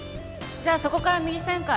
じゃあそこから右旋回。